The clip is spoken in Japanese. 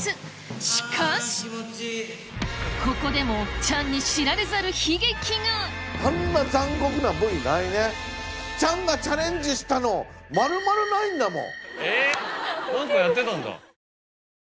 しかしここでもチャンに知られざる悲劇がチャンがチャレンジしたの丸々ないんだもん。